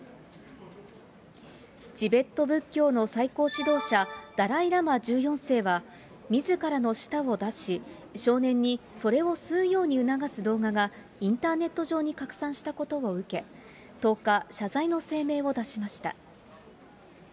チベット仏教の最高指導者、ダライ・ラマ１４世は、みずからの舌を出し、少年にそれを吸うように促す動画がインターネット上に拡散したことを受け、１０日、謝罪の声明を出しました。